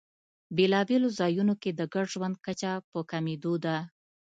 بېلابېلو ځایونو کې د ګډ ژوند کچه په کمېدو ده.